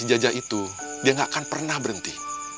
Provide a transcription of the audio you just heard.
jaja itu dia tidak akan pernah berhenti